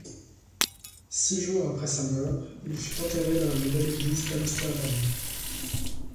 Six jours après sa mort, il fut enterré dans la Nouvelle église d'Amsterdam.